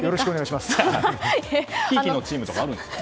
ひいきのチームとかあるんですか？